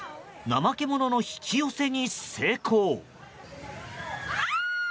ナマケモノの引き寄せに成功！